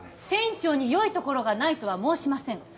店長に良いところがないとは申しません